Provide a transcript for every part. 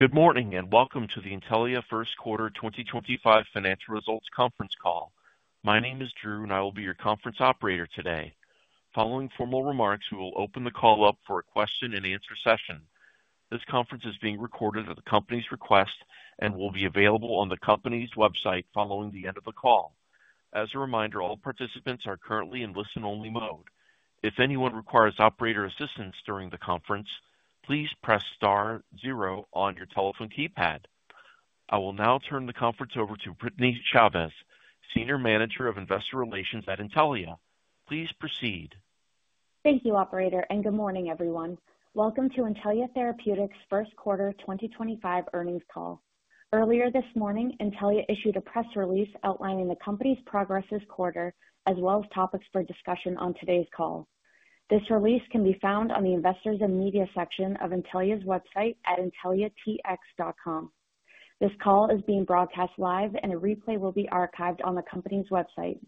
Good morning and welcome to the Intellia First Quarter 2025 Financial Results Conference Call. My name is Drew, and I will be your conference operator today. Following formal remarks, we will open the call up for a question-and-answer session. This conference is being recorded at the company's request and will be available on the company's website following the end of the call. As a reminder, all participants are currently in listen-only mode. If anyone requires operator assistance during the conference, please press star zero on your telephone keypad. I will now turn the conference over to Brittany Chaves, Senior Manager of Investor Relations at Intellia. Please proceed. Thank you, Operator, and good morning, everyone. Welcome to Intellia Therapeutics First Quarter 2025 Earnings Call. Earlier this morning, Intellia issued a press release outlining the company's progress this quarter, as well as topics for discussion on today's call. This release can be found on the Investors and Media section of Intellia's website at intelliatx.com. This call is being broadcast live, and a replay will be archived on the company's website.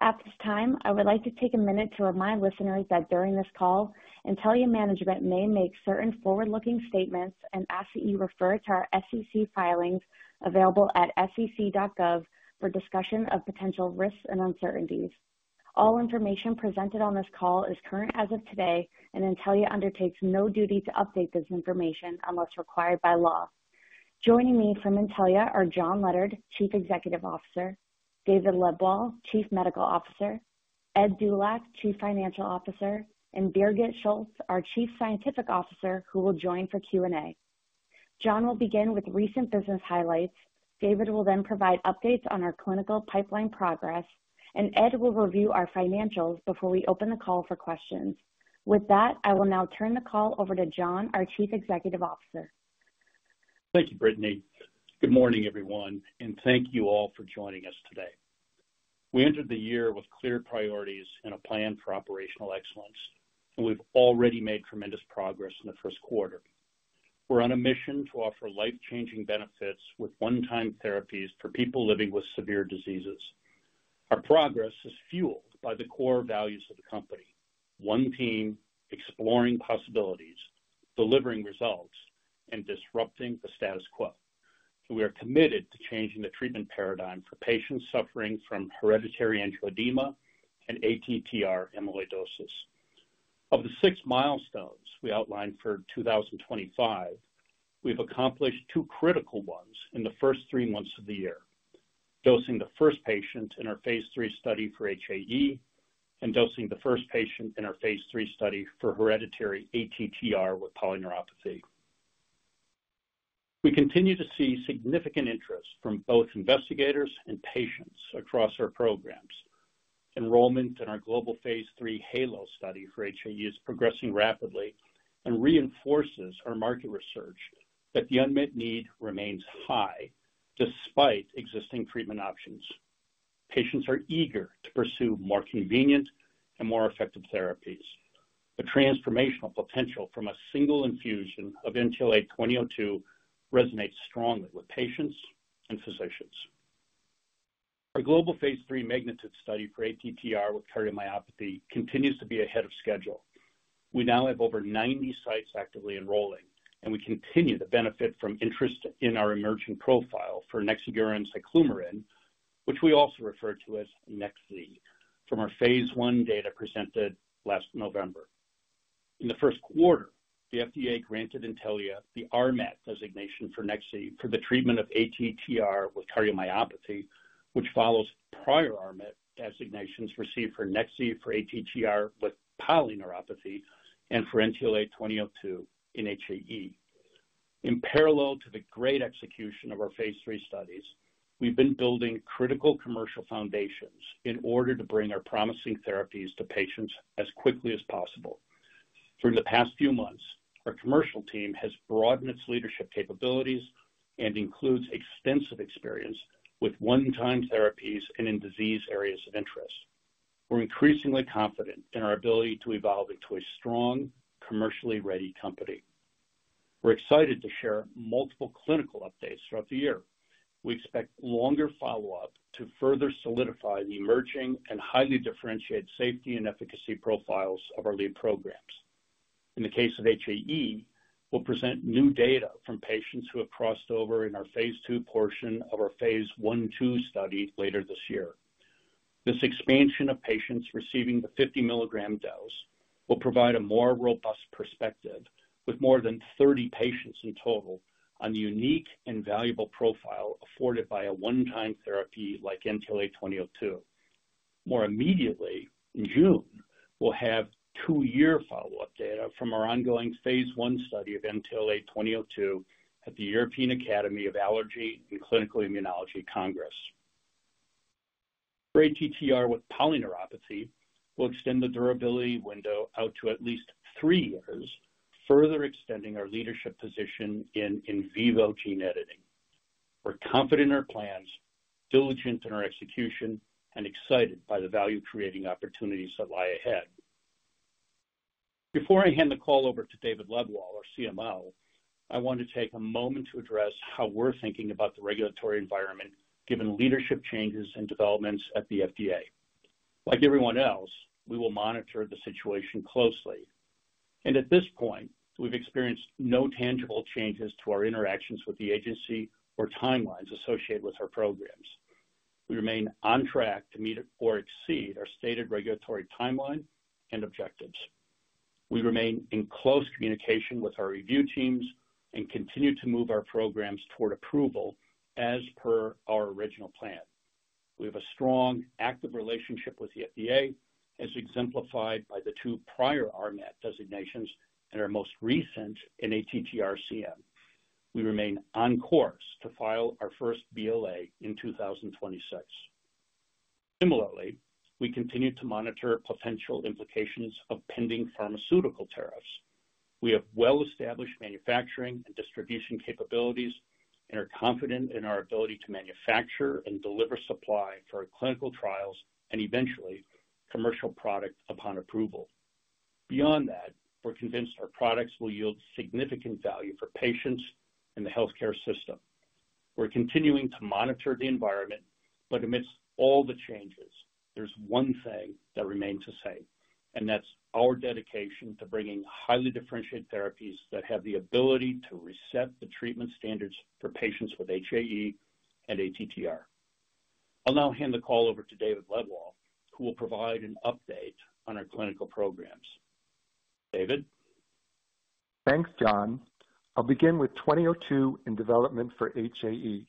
At this time, I would like to take a minute to remind listeners that during this call, Intellia management may make certain forward-looking statements and ask that you refer to our SEC filings available at sec.gov for discussion of potential risks and uncertainties. All information presented on this call is current as of today, and Intellia undertakes no duty to update this information unless required by law. Joining me from Intellia are John Leonard, Chief Executive Officer, David Lebwohl, Chief Medical Officer, Ed Dulac, Chief Financial Officer, and Birgit Schultes, our Chief Scientific Officer, who will join for Q&A. John will begin with recent business highlights. David will then provide updates on our clinical pipeline progress, and Ed will review our financials before we open the call for questions. With that, I will now turn the call over to John, our Chief Executive Officer. Thank you, Brittany. Good morning, everyone, and thank you all for joining us today. We entered the year with clear priorities and a plan for operational excellence, and we've already made tremendous progress in the first quarter. We're on a mission to offer life-changing benefits with one-time therapies for people living with severe diseases. Our progress is fueled by the core values of the company: one team, exploring possibilities, delivering results, and disrupting the status quo. We are committed to changing the treatment paradigm for patients suffering from Hereditary Angioedema and ATTR Amyloidosis. Of the six milestones we outlined for 2025, we've accomplished two critical ones in the first three months of the year: dosing the first patient in our phase three study for HAE and dosing the first patient in our phase three study for Hereditary ATTR with Polyneuropathy. We continue to see significant interest from both investigators and patients across our programs. Enrollment in our global phase three HALO study for HAE is progressing rapidly and reinforces our market research that the unmet need remains high despite existing treatment options. Patients are eager to pursue more convenient and more effective therapies. The transformational potential from a single infusion of NTLA-2002 resonates strongly with patients and physicians. Our global phase III MAGNITUDE study for ATTR with cardiomyopathy continues to be ahead of schedule. We now have over 90 sites actively enrolling, and we continue to benefit from interest in our emerging profile for Nexiguran Ziclumeran, which we also refer to as Nex-Z, from our phase I data presented last November. In the first quarter, the FDA granted Intellia the RMAT designation for Nexiguran Ziclumeran for the treatment of ATTR with cardiomyopathy, which follows prior RMAT designations received for Nexiguran ziclumeran for ATTR with polyneuropathy and for NTLA-2002 in hereditary angioedema. In parallel to the great execution of our phase three studies, we've been building critical commercial foundations in order to bring our promising therapies to patients as quickly as possible. During the past few months, our commercial team has broadened its leadership capabilities and includes extensive experience with one-time therapies and in disease areas of interest. We're increasingly confident in our ability to evolve into a strong, commercially ready company. We're excited to share multiple clinical updates throughout the year. We expect longer follow-up to further solidify the emerging and highly differentiated safety and efficacy profiles of our lead programs. In the case of HAE, we'll present new data from patients who have crossed over in our phase two portion of our phase one two study later this year. This expansion of patients receiving the 50 mg dose will provide a more robust perspective with more than 30 patients in total on the unique and valuable profile afforded by a one-time therapy like NTLA-2002. More immediately, in June, we'll have two-year follow-up data from our ongoing phase one study of NTLA-2002 at the European Academy of Allergy and Clinical Immunology Congress. For ATTR with polyneuropathy, we'll extend the durability window out to at least three years, further extending our leadership position in in vivo gene editing. We're confident in our plans, diligent in our execution, and excited by the value-creating opportunities that lie ahead. Before I hand the call over to David Lebwohl, our CMO, I want to take a moment to address how we're thinking about the regulatory environment given leadership changes and developments at the FDA. Like everyone else, we will monitor the situation closely. At this point, we've experienced no tangible changes to our interactions with the agency or timelines associated with our programs. We remain on track to meet or exceed our stated regulatory timeline and objectives. We remain in close communication with our review teams and continue to move our programs toward approval as per our original plan. We have a strong, active relationship with the FDA, as exemplified by the two prior RMAT designations and our most recent in ATTR-CM. We remain on course to file our first BLA in 2026. Similarly, we continue to monitor potential implications of pending pharmaceutical tariffs. We have well-established manufacturing and distribution capabilities and are confident in our ability to manufacture and deliver supply for our clinical trials and eventually commercial product upon approval. Beyond that, we're convinced our products will yield significant value for patients and the healthcare system. We're continuing to monitor the environment, but amidst all the changes, there's one thing that remains the same, and that's our dedication to bringing highly differentiated therapies that have the ability to reset the treatment standards for patients with HAE and ATTR. I'll now hand the call over to David Lebwohl, who will provide an update on our clinical programs. David. Thanks, John. I'll begin with 2002 in development for HAE.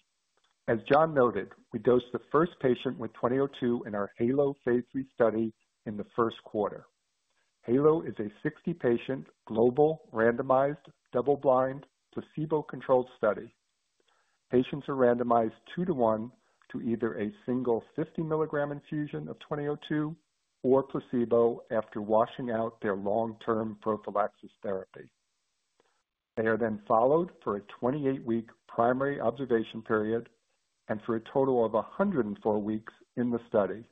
As John noted, we dosed the first patient with 2002 in our HALO Phase III Study in the first quarter. HALO is a 60-patient global randomized double-blind placebo-controlled study. Patients are randomized two to one to either a single 50 mg infusion of 2002 or placebo after washing out their long-term prophylaxis therapy. They are then followed for a 28-week primary observation period and for a total of 104 weeks in the study.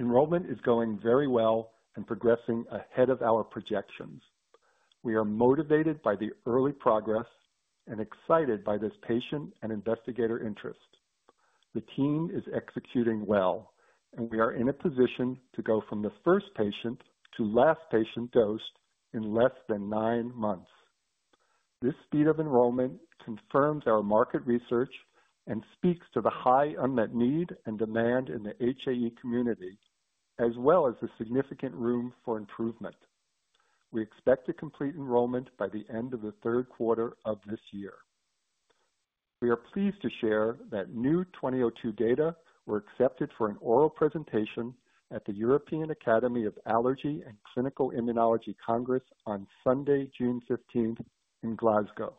Enrollment is going very well and progressing ahead of our projections. We are motivated by the early progress and excited by this patient and investigator interest. The team is executing well, and we are in a position to go from the first patient to last patient dosed in less than nine months. This speed of enrollment confirms our market research and speaks to the high unmet need and demand in the HAE community, as well as the significant room for improvement. We expect to complete enrollment by the end of the third quarter of this year. We are pleased to share that new NTLA-2002 data were accepted for an oral presentation at the European Academy of Allergy and Clinical Immunology Congress on Sunday, June 15th, in Glasgow.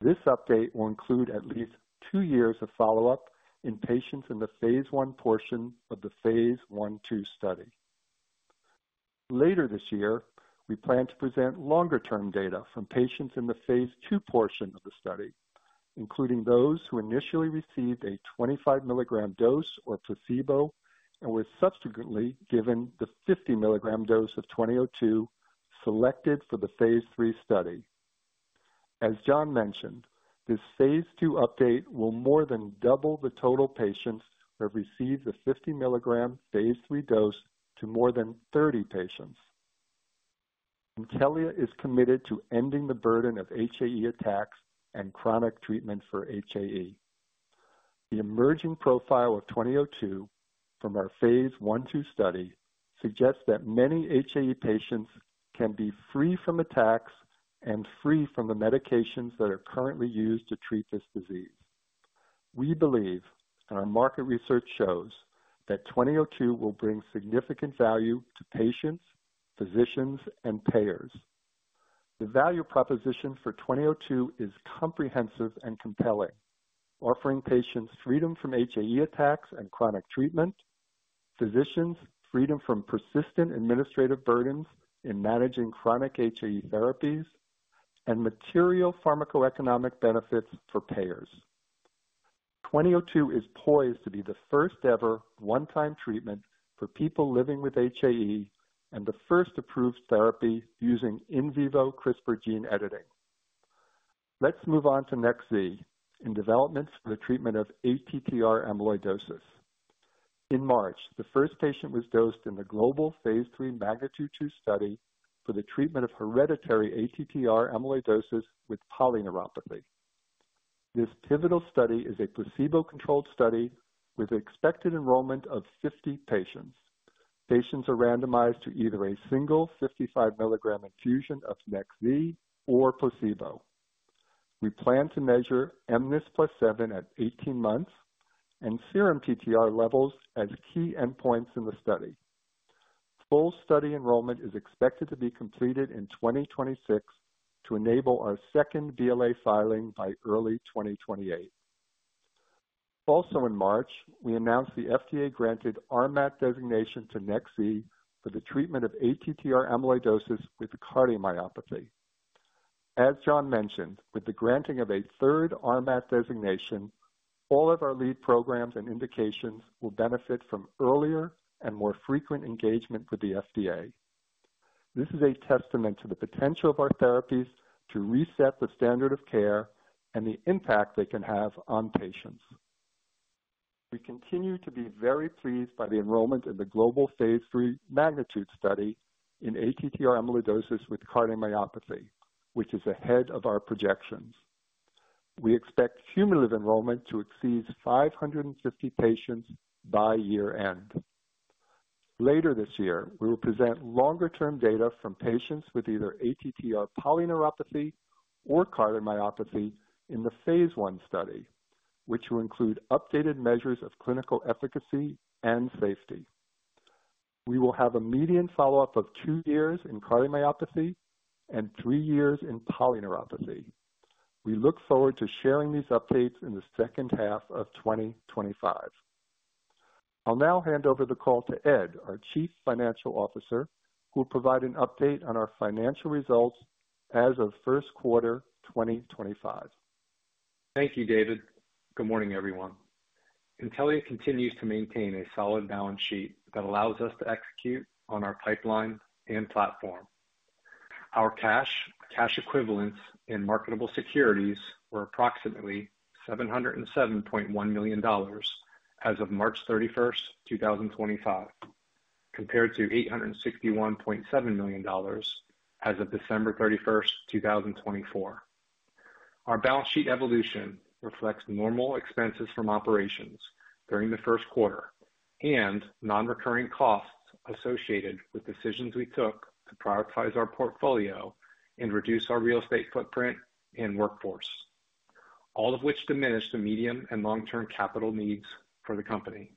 This update will include at least two years of follow-up in patients in the phase I portion of the phase I/II study. Later this year, we plan to present longer-term data from patients in the phase II portion of the study, including those who initially received a 25 milligram dose or placebo and were subsequently given the 50 milligram dose of NTLA-2002 selected for the phase III study. As John mentioned, this phase two update will more than double the total patients who have received the 50 milligram phase III dose to more than 30 patients. Intellia is committed to ending the burden of HAE attacks and chronic treatment for HAE. The emerging profile of 2002 from our phase I two study suggests that many HAE patients can be free from attacks and free from the medications that are currently used to treat this disease. We believe, and our market research shows, that 2002 will bring significant value to patients, physicians, and payers. The value proposition for 2002 is comprehensive and compelling, offering patients freedom from HAE attacks and chronic treatment, physicians freedom from persistent administrative burdens in managing chronic HAE therapies, and material pharmacoeconomic benefits for payers. NTLA-2002 is poised to be the first-ever one-time treatment for people living with HAE and the first approved therapy using in vivo CRISPR gene editing. Let's move on to Nexiguran Ziclumeran in development for the treatment of ATTR Amyloidosis. In March, the first patient was dosed in the global phase three MAGNITUDE-2 study for the treatment of hereditary ATTR Amyloidosis with Polyneuropathy. This pivotal study is a placebo-controlled study with expected enrollment of 50 patients. Patients are randomized to either a single 55 mg infusion of Nexiguran Ziclumeran or placebo. We plan to measure mNIS+7 at 18 months and serum TTR levels as key endpoints in the study. Full study enrollment is expected to be completed in 2026 to enable our second BLA filing by early 2028. Also, in March, we announced the FDA-granted RMAT designation to Nexiguran Ziclumeran for the treatment of ATTR Amyloidosis with Cardiomyopathy. As John mentioned, with the granting of a third RMAT designation, all of our lead programs and indications will benefit from earlier and more frequent engagement with the FDA. This is a testament to the potential of our therapies to reset the standard of care and the impact they can have on patients. We continue to be very pleased by the enrollment in the global Phase III MAGNITUDE Study in ATTR Amyloidosis with Cardiomyopathy, which is ahead of our projections. We expect cumulative enrollment to exceed 550 patients by year-end. Later this year, we will present longer-term data from patients with either ATTR Polyneuropathy or Cardiomyopathy in the phase I study, which will include updated measures of clinical efficacy and safety. We will have a median follow-up of two years in Cardiomyopathy and three years in Polyneuropathy. We look forward to sharing these updates in the second half of 2025. I'll now hand over the call to Ed Dulac, our Chief Financial Officer, who will provide an update on our financial results as of first quarter 2025. Thank you, David. Good morning, everyone. Intellia continues to maintain a solid balance sheet that allows us to execute on our pipeline and platform. Our cash equivalents in marketable securities were approximately $707.1 million as of March 31, 2025, compared to $861.7 million as of December 31, 2024. Our balance sheet evolution reflects normal expenses from operations during the first quarter and non-recurring costs associated with decisions we took to prioritize our portfolio and reduce our real estate footprint and workforce, all of which diminished the medium and long-term capital needs for the company.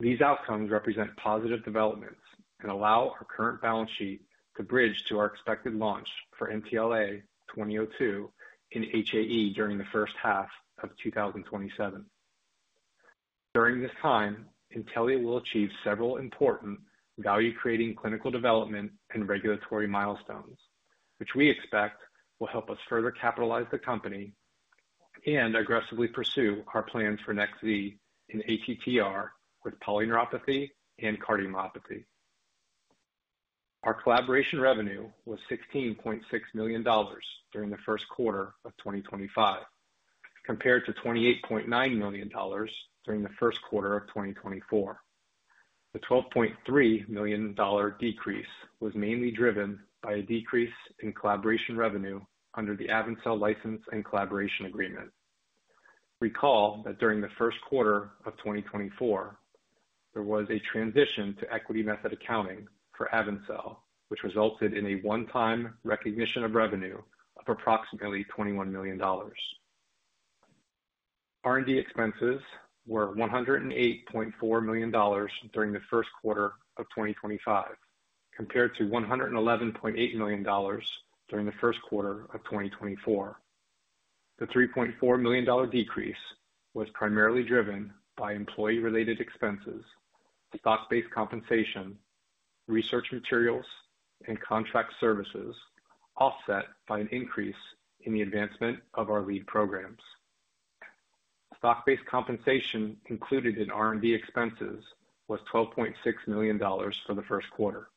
These outcomes represent positive developments and allow our current balance sheet to bridge to our expected launch for NTLA-2002 in HAE during the first half of 2027. During this time, Intellia will achieve several important value-creating clinical development and regulatory milestones, which we expect will help us further capitalize the company and aggressively pursue our plans for Nexiguran Ziclumeran in ATTR with Polyneuropathy and Cardiomyopathy. Our collaboration revenue was $16.6 million during the first quarter of 2025, compared to $28.9 million during the first quarter of 2024. The $12.3 million decrease was mainly driven by a decrease in collaboration revenue under the AvenCell License and Collaboration Agreement. Recall that during the first quarter of 2024, there was a transition to equity method accounting for AvenCell, which resulted in a one-time recognition of revenue of approximately $21 million. R&D expenses were $108.4 million during the first quarter of 2025, compared to $111.8 million during the first quarter of 2024. The $3.4 million decrease was primarily driven by employee-related expenses, stock-based compensation, research materials, and contract services, offset by an increase in the advancement of our lead programs. Stock-based compensation included in R&D expenses was $12.6 million for the first quarter.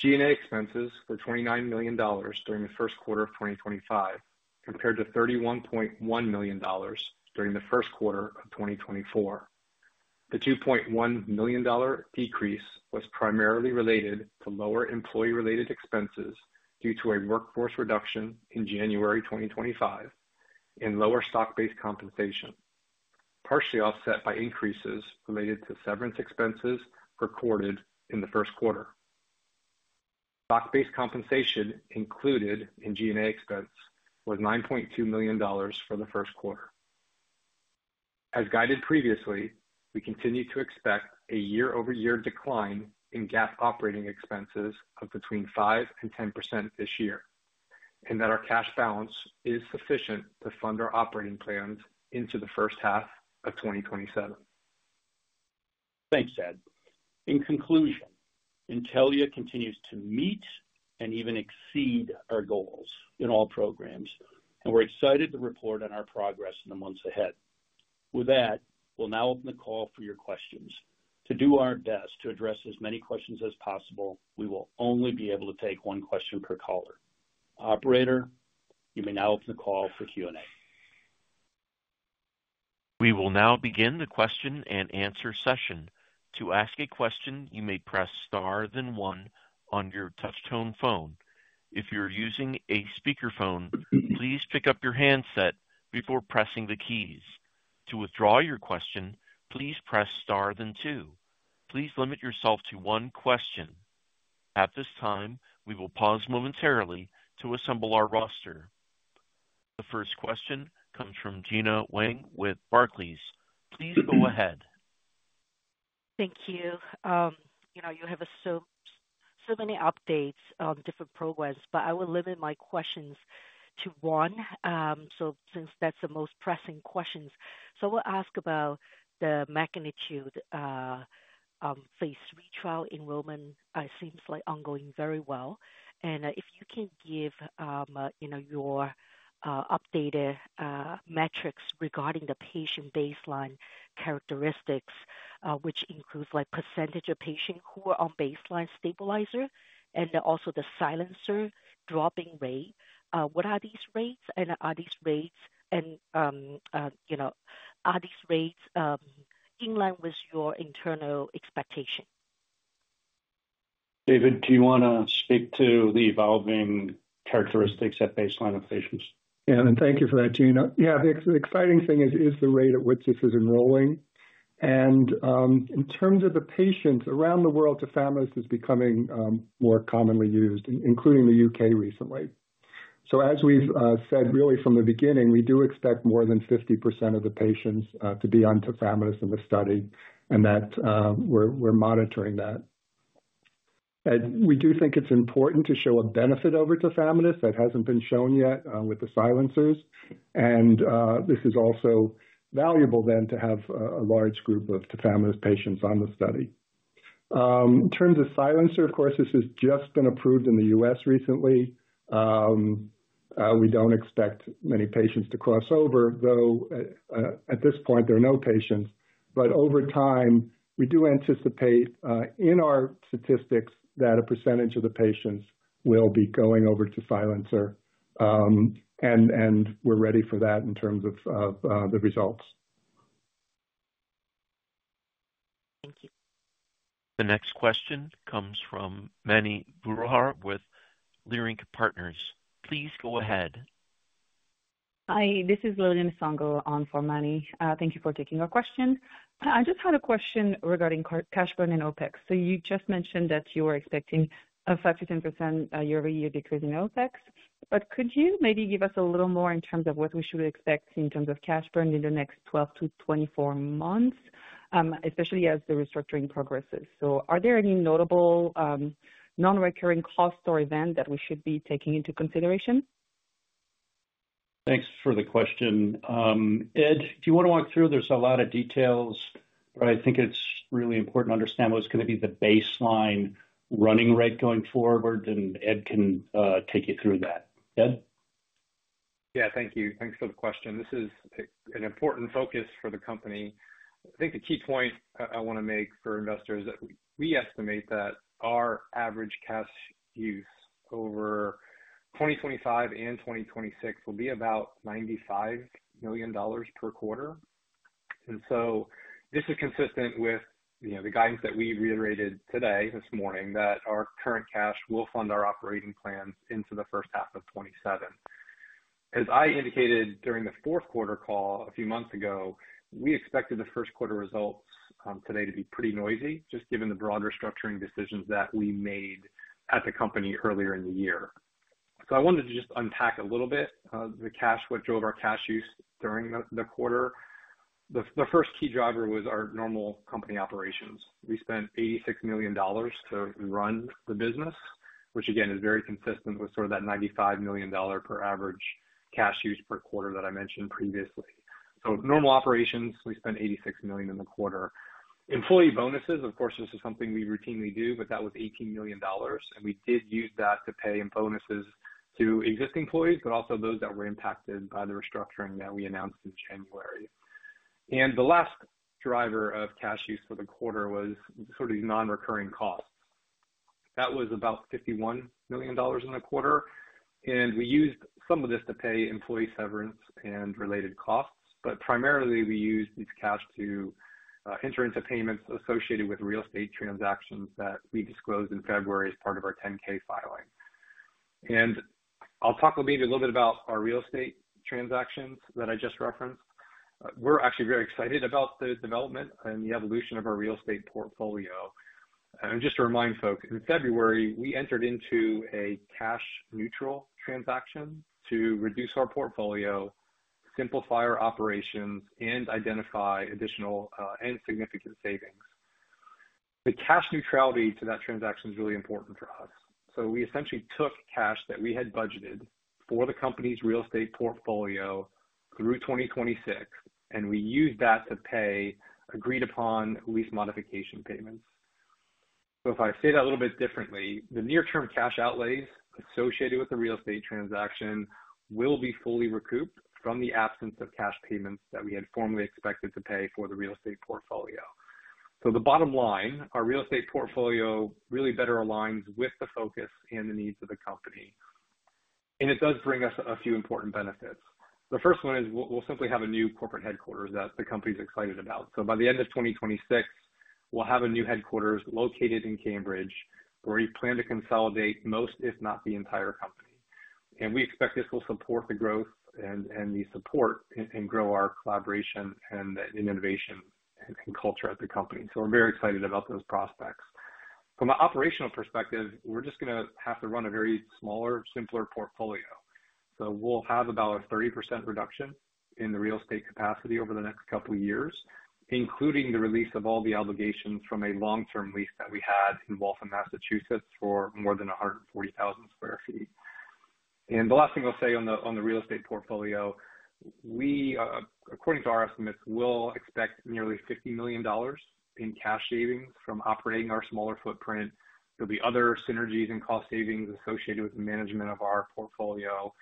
G&A expenses were $29 million during the first quarter of 2025, compared to $31.1 million during the first quarter of 2024. The $2.1 million decrease was primarily related to lower employee-related expenses due to a workforce reduction in January 2025 and lower stock-based compensation, partially offset by increases related to severance expenses recorded in the first quarter. Stock-based compensation included in G&A expense was $9.2 million for the first quarter. As guided previously, we continue to expect a year-over-year decline in GAAP operating expenses of between 5% and 10% this year and that our cash balance is sufficient to fund our operating plans into the first half of 2027. Thanks, Ed. In conclusion, Intellia continues to meet and even exceed our goals in all programs, and we're excited to report on our progress in the months ahead. With that, we'll now open the call for your questions. To do our best to address as many questions as possible, we will only be able to take one question per caller. Operator, you may now open the call for Q&A. We will now begin the question and answer session. To ask a question, you may press star then one on your touch-tone phone. If you're using a speakerphone, please pick up your handset before pressing the keys. To withdraw your question, please press star then two. Please limit yourself to one question. At this time, we will pause momentarily to assemble our roster. The first question comes from Gena Wang with Barclays. Please go ahead. Thank you. You have so many updates on different programs, but I will limit my questions to one. Since that's the most pressing question, I'll ask about the MAGNITUDE Phase III Trial enrollment. It seems like ongoing very well. If you can give your updated metrics regarding the patient baseline characteristics, which includes percentage of patients who are on baseline stabilizer and also the silencer dropping rate, what are these rates? Are these rates in line with your internal expectation? David, do you want to speak to the evolving characteristics at baseline of patients? Yeah, and thank you for that, Gena. Yeah, the exciting thing is the rate at which this is enrolling. In terms of the patients around the world, Tafamidis is becoming more commonly used, including the U.K. recently. As we've said really from the beginning, we do expect more than 50% of the patients to be on Tafamidis in the study, and we're monitoring that. We do think it's important to show a benefit over Tafamidis that hasn't been shown yet with the silencers. This is also valuable then to have a large group of Tafamidis patients on the study. In terms of silencer, of course, this has just been approved in the U.S. recently. We don't expect many patients to cross over, though at this point, there are no patients. Over time, we do anticipate in our statistics that a percentage of the patients will be going over to silencer. We are ready for that in terms of the results. Thank you. The next question comes from Mani Foroohar with Leerink Partners. Please go ahead. Hi, this is Lilian Nsongo on for Mani. Thank you for taking our question. I just had a question regarding cash burn and OpEx. You just mentioned that you were expecting a 5%-10% year-over-year decrease in OpEx. Could you maybe give us a little more in terms of what we should expect in terms of cash burn in the next 12 to 24 months, especially as the restructuring progresses? Are there any notable non-recurring costs or events that we should be taking into consideration? Thanks for the question. Ed, if you want to walk through, there's a lot of details, but I think it's really important to understand what's going to be the baseline running rate going forward. Ed can take you through that. Ed? Yeah, thank you. Thanks for the question. This is an important focus for the company. I think the key point I want to make for investors is that we estimate that our average cash use over 2025 and 2026 will be about $95 million per quarter. This is consistent with the guidance that we reiterated today, this morning, that our current cash will fund our operating plans into the first half of 2027. As I indicated during the fourth quarter call a few months ago, we expected the first quarter results today to be pretty noisy, just given the broader structuring decisions that we made at the company earlier in the year. I wanted to just unpack a little bit the cash, what drove our cash use during the quarter. The first key driver was our normal company operations. We spent $86 million to run the business, which again is very consistent with sort of that $95 million per average cash use per quarter that I mentioned previously. Normal operations, we spent $86 million in the quarter. Employee bonuses, of course, this is something we routinely do, but that was $18 million. We did use that to pay bonuses to existing employees, but also those that were impacted by the restructuring that we announced in January. The last driver of cash use for the quarter was sort of these non-recurring costs. That was about $51 million in the quarter. We used some of this to pay employee severance and related costs. Primarily, we used this cash to enter into payments associated with real estate transactions that we disclosed in February as part of our 10-K filing. I'll talk maybe a little bit about our real estate transactions that I just referenced. We're actually very excited about the development and the evolution of our real estate portfolio. Just to remind folks, in February, we entered into a cash-neutral transaction to reduce our portfolio, simplify our operations, and identify additional and significant savings. The cash neutrality to that transaction is really important for us. We essentially took cash that we had budgeted for the company's real estate portfolio through 2026, and we used that to pay agreed-upon lease modification payments. If I say that a little bit differently, the near-term cash outlays associated with the real estate transaction will be fully recouped from the absence of cash payments that we had formerly expected to pay for the real estate portfolio. The bottom line, our real estate portfolio really better aligns with the focus and the needs of the company. It does bring us a few important benefits. The first one is we'll simply have a new corporate headquarters that the company is excited about. By the end of 2026, we'll have a new headquarters located in Cambridge where we plan to consolidate most, if not the entire company. We expect this will support the growth and the support and grow our collaboration and innovation and culture at the company. We're very excited about those prospects. From an operational perspective, we're just going to have to run a very smaller, simpler portfolio. We'll have about a 30% reduction in the real estate capacity over the next couple of years, including the release of all the obligations from a long-term lease that we had in Waltham, Massachusetts, for more than 140,000 sq ft. The last thing I'll say on the real estate portfolio, according to our estimates, we'll expect nearly $50 million in cash savings from operating our smaller footprint. There'll be other synergies and cost savings associated with the management of our portfolio.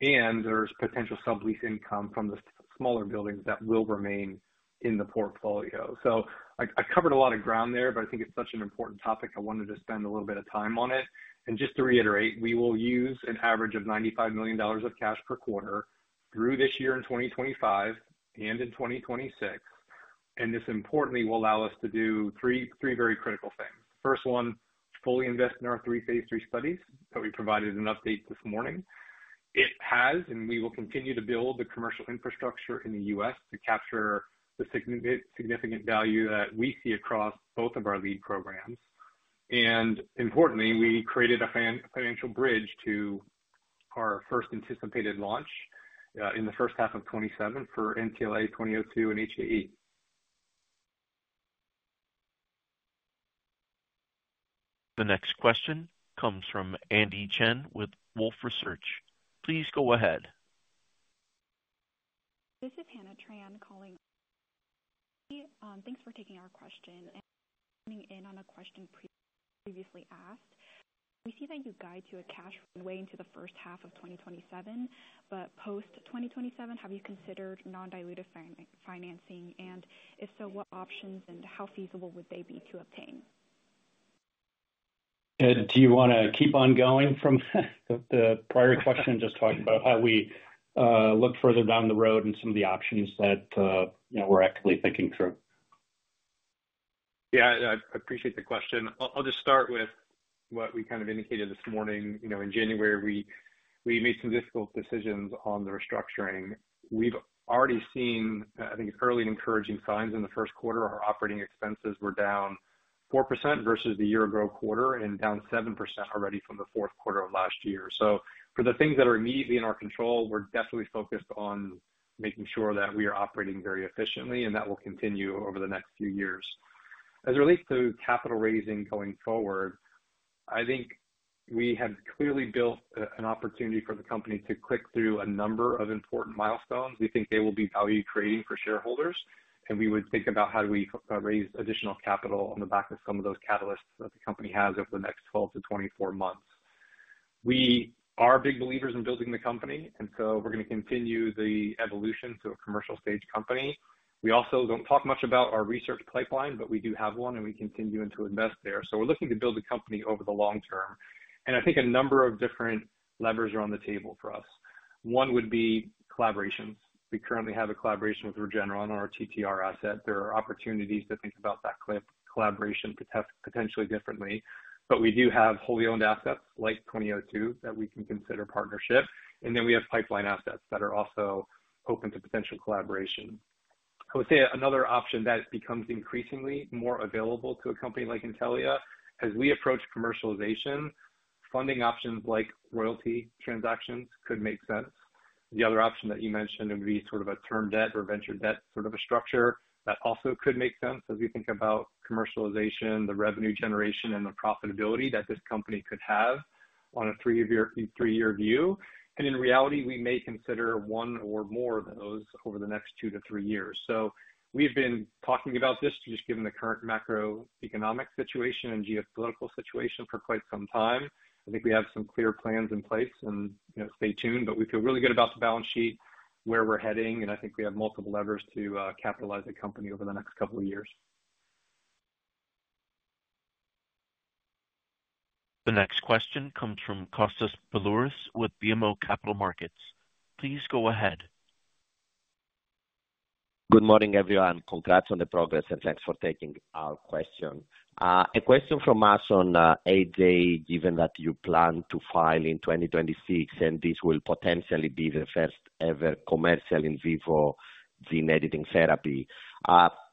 There's potential sublease income from the smaller buildings that will remain in the portfolio. I covered a lot of ground there, but I think it's such an important topic. I wanted to spend a little bit of time on it. Just to reiterate, we will use an average of $95 million of cash per quarter through this year in 2025 and in 2026. This importantly will allow us to do three very critical things. The first one, fully invest in our three phase three studies that we provided an update this morning. It has, and we will continue to build the commercial infrastructure in the U.S. to capture the significant value that we see across both of our lead programs. Importantly, we created a financial bridge to our first anticipated launch in the first half of 2027 for NTLA-2002 and HAE. The next question comes from Andy Chen with Wolfe Research. Please go ahead. This is Hannah Tran calling. Thanks for taking our question and coming in on a question previously asked. We see that you guide to a cash runway into the first half of 2027. After 2027, have you considered non-dilutive financing? If so, what options and how feasible would they be to obtain? Ed, do you want to keep on going from the prior question? Just talk about how we look further down the road and some of the options that we're actively thinking through. Yeah, I appreciate the question. I'll just start with what we kind of indicated this morning. In January, we made some difficult decisions on the restructuring. We've already seen, I think, early and encouraging signs in the first quarter. Our operating expenses were down 4% versus the year-ago quarter and down 7% already from the fourth quarter of last year. For the things that are immediately in our control, we're definitely focused on making sure that we are operating very efficiently and that will continue over the next few years. As it relates to capital raising going forward, I think we have clearly built an opportunity for the company to click through a number of important milestones. We think they will be value-creating for shareholders. We would think about how do we raise additional capital on the back of some of those catalysts that the company has over the next 12 to 24 months. We are big believers in building the company. We are going to continue the evolution to a commercial-stage company. We also do not talk much about our research pipeline, but we do have one, and we continue to invest there. We are looking to build a company over the long term. I think a number of different levers are on the table for us. One would be collaborations. We currently have a collaboration with Regeneron on our TTR asset. There are opportunities to think about that collaboration potentially differently. We do have wholly owned assets like 2002 that we can consider partnership. We have pipeline assets that are also open to potential collaboration. I would say another option that becomes increasingly more available to a company like Intellia, as we approach commercialization, funding options like royalty transactions could make sense. The other option that you mentioned would be sort of a term debt or venture debt sort of a structure that also could make sense as we think about commercialization, the revenue generation, and the profitability that this company could have on a three-year view. In reality, we may consider one or more of those over the next two to three years. We have been talking about this, just given the current macroeconomic situation and geopolitical situation for quite some time. I think we have some clear plans in place. Stay tuned. We feel really good about the balance sheet, where we're heading. I think we have multiple levers to capitalize the company over the next couple of years. The next question comes from Kostas Biliouris with BMO Capital Markets. Please go ahead. Good morning, everyone. Congrats on the progress. Thanks for taking our question. A question from us on AJ, given that you plan to file in 2026, and this will potentially be the first-ever commercial in vivo gene editing therapy.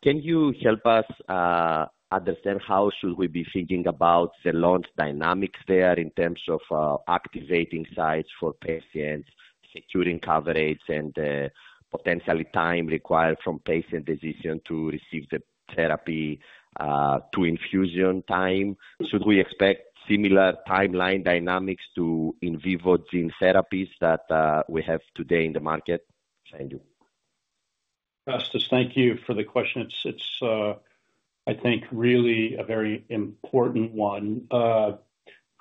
Can you help us understand how should we be thinking about the launch dynamics there in terms of activating sites for patients, securing coverage, and potentially time required from patient decision to receive the therapy to infusion time? Should we expect similar timeline dynamics to in vivo gene therapies that we have today in the market? Thank you. Kostas, thank you for the question. It's, I think, really a very important one.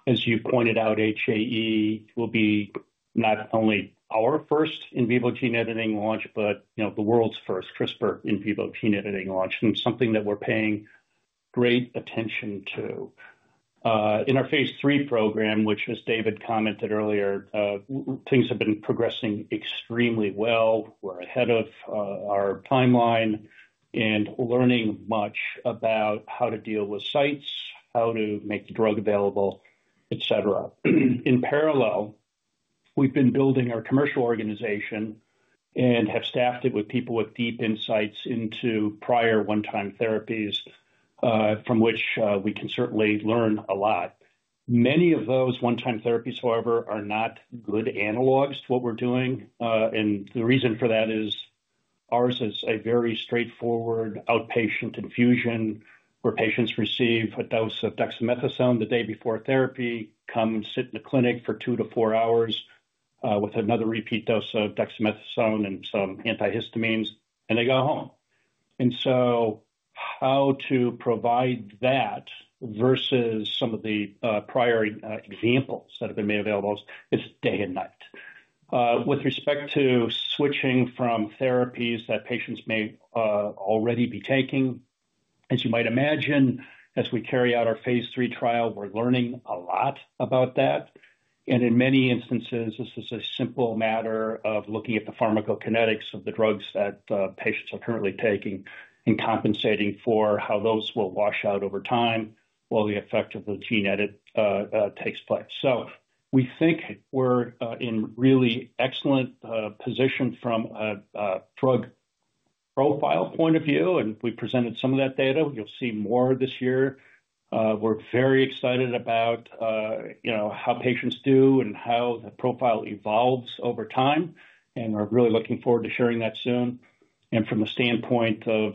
As you pointed out, HAE will be not only our first in vivo gene editing launch, but the world's first CRISPR in vivo gene editing launch, and something that we're paying great attention to. In our phase three program, which, as David commented earlier, things have been progressing extremely well. We're ahead of our timeline and learning much about how to deal with sites, how to make the drug available, etc. In parallel, we've been building our commercial organization and have staffed it with people with deep insights into prior one-time therapies from which we can certainly learn a lot. Many of those one-time therapies, however, are not good analogs to what we're doing. The reason for that is ours is a very straightforward outpatient infusion where patients receive a dose of dexamethasone the day before therapy, come sit in the clinic for two to four hours with another repeat dose of dexamethasone and some antihistamines, and they go home. How to provide that versus some of the prior examples that have been made available is day and night. With respect to switching from therapies that patients may already be taking, as you might imagine, as we carry out our phase three trial, we're learning a lot about that. In many instances, this is a simple matter of looking at the pharmacokinetics of the drugs that patients are currently taking and compensating for how those will wash out over time while the effect of the gene edit takes place. We think we're in really excellent position from a drug profile point of view. We presented some of that data. You'll see more this year. We're very excited about how patients do and how the profile evolves over time. We're really looking forward to sharing that soon. From the standpoint of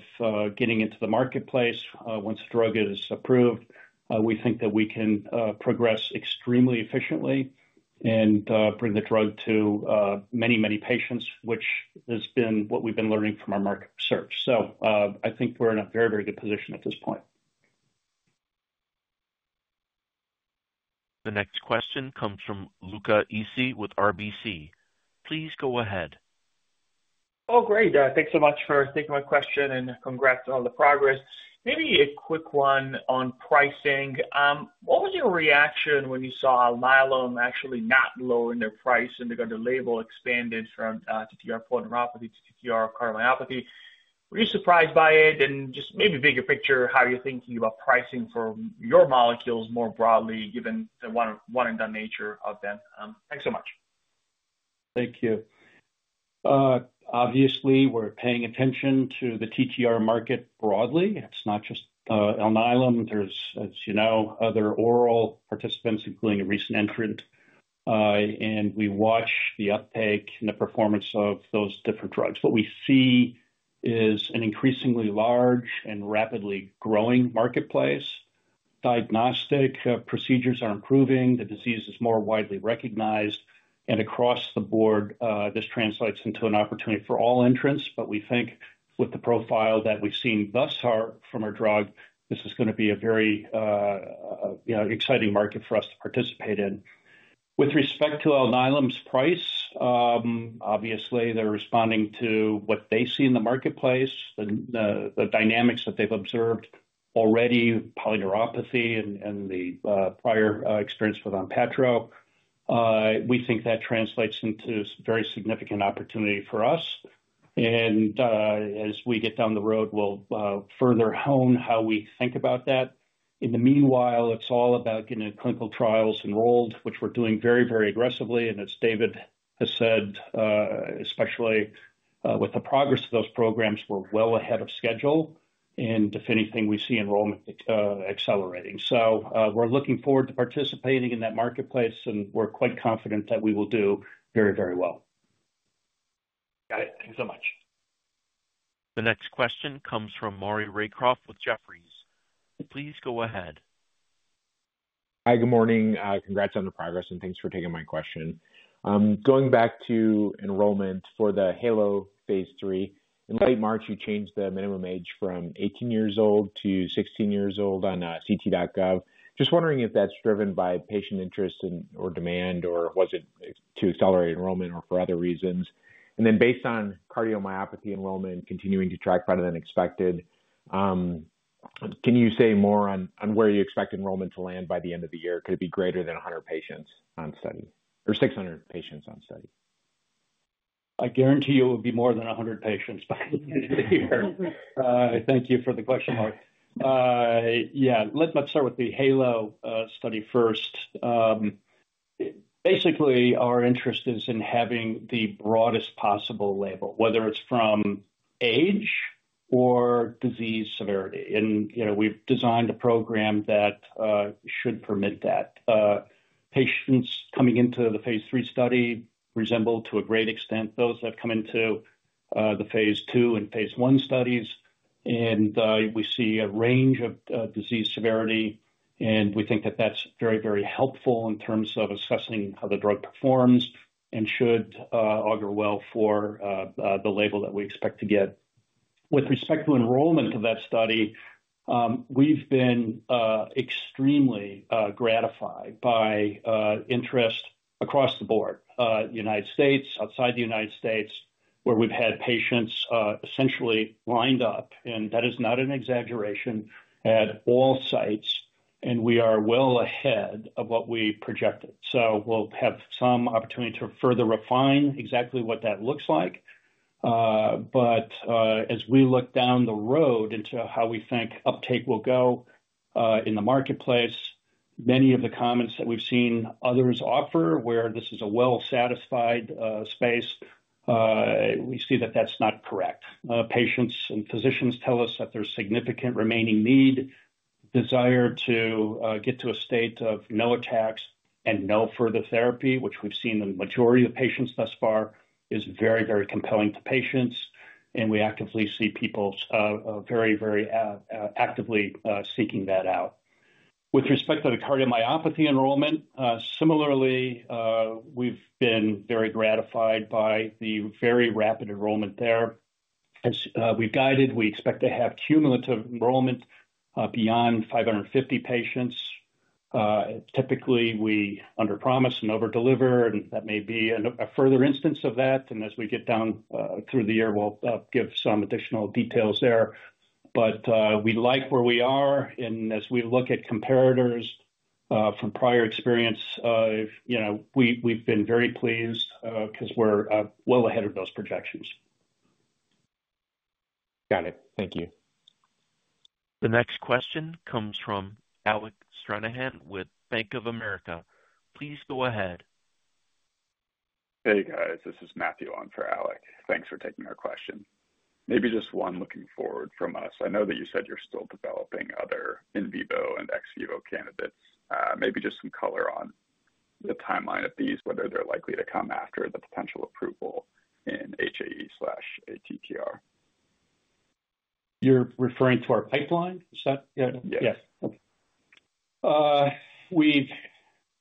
getting into the marketplace, once the drug is approved, we think that we can progress extremely efficiently and bring the drug to many, many patients, which has been what we've been learning from our market research. I think we're in a very, very good position at this point. The next question comes from Luca Issi with RBC. Please go ahead. Oh, great. Thanks so much for taking my question and congrats on all the progress. Maybe a quick one on pricing. What was your reaction when you saw Vutrisiran actually not lowering their price and they got the label expanded from TTR Polyneuropathy to TTR Cardiomyopathy? Were you surprised by it? Just maybe bigger picture, how are you thinking about pricing for your molecules more broadly, given the one-and-done nature of them? Thanks so much. Thank you. Obviously, we're paying attention to the TTR market broadly. It's not just Alnylam. There's, as you know, other oral participants, including a recent entrant. We watch the uptake and the performance of those different drugs. What we see is an increasingly large and rapidly growing marketplace. Diagnostic procedures are improving. The disease is more widely recognized. Across the board, this translates into an opportunity for all entrants. We think with the profile that we've seen thus far from our drug, this is going to be a very exciting market for us to participate in. With respect to Alnylam's price, obviously, they're responding to what they see in the marketplace, the dynamics that they've observed already, Polyneuropathy and the prior experience with Onpattro. We think that translates into a very significant opportunity for us. As we get down the road, we'll further hone how we think about that. In the meanwhile, it's all about getting clinical trials enrolled, which we're doing very, very aggressively. As David has said, especially with the progress of those programs, we're well ahead of schedule. If anything, we see enrollment accelerating. We're looking forward to participating in that marketplace. We're quite confident that we will do very, very well. Got it. Thanks so much. The next question comes from Maury Raycroft with Jefferies. Please go ahead. Hi, good morning. Congrats on the progress. Thanks for taking my question. Going back to enrollment for the Halo phase three, in late March, you changed the minimum age from 18 years old to 16 years old on ct.gov. Just wondering if that's driven by patient interest or demand, or was it to accelerate enrollment or for other reasons? Based on Cardiomyopathy enrollment continuing to track better than expected, can you say more on where you expect enrollment to land by the end of the year? Could it be greater than 100 patients on study or 600 patients on study? I guarantee you it would be more than 100 patients by the end of the year. Thank you for the question. Yeah, let's start with the HALO Study first. Basically, our interest is in having the broadest possible label, whether it's from age or disease severity. We have designed a program that should permit that. Patients coming into the phase three study resemble to a great extent those that have come into the phase II and phase I studies. We see a range of disease severity. We think that is very, very helpful in terms of assessing how the drug performs and should augur well for the label that we expect to get. With respect to enrollment of that study, we have been extremely gratified by interest across the board, United States, outside the United States, where we have had patients essentially lined up. That is not an exaggeration at all sites. We are well ahead of what we projected. We will have some opportunity to further refine exactly what that looks like. As we look down the road into how we think uptake will go in the marketplace, many of the comments that we have seen others offer where this is a well-satisfied space, we see that is not correct. Patients and physicians tell us that there is significant remaining need, desire to get to a state of no attacks and no further therapy, which we have seen in the majority of patients thus far, is very, very compelling to patients. We actively see people very, very actively seeking that out. With respect to the cardiomyopathy enrollment, similarly, we have been very gratified by the very rapid enrollment there. As we have guided, we expect to have cumulative enrollment beyond 550 patients. Typically, we underpromise and overdeliver. That may be a further instance of that. As we get down through the year, we'll give some additional details there. We like where we are. As we look at comparators from prior experience, we've been very pleased because we're well ahead of those projections. Got it. Thank you. The next question comes from Alec Stranahan with Bank of America. Please go ahead. Hey, guys. This is Matthew on for Alec. Thanks for taking our question. Maybe just one looking forward from us. I know that you said you're still developing other in vivo and ex vivo candidates. Maybe just some color on the timeline of these, whether they're likely to come after the potential approval in HAE/ATTR. You're referring to our pipeline? Is that? Yes. Okay. We've